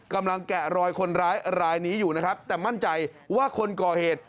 แกะรอยคนร้ายรายนี้อยู่นะครับแต่มั่นใจว่าคนก่อเหตุ